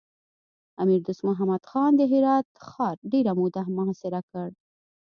امیر دوست محمد خان د هرات ښار ډېره موده محاصره کړ.